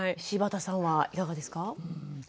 柴田さんはいかがですか？